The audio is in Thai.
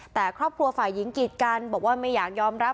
แต่ครอบครัวฝ่ายหญิงกีดกันบอกว่าไม่อยากยอมรับ